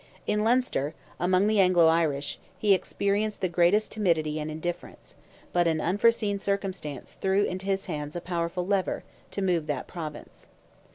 In Leinster, among the Anglo Irish, he experienced the greatest timidity and indifference, but an unforeseen circumstance threw into his hands a powerful lever, to move that province.